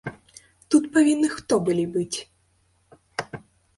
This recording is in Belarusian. Тут павінны хто былі быць?